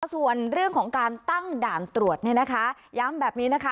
ส่วนเรื่องของการตั้งด่านตรวจเนี่ยนะคะย้ำแบบนี้นะคะ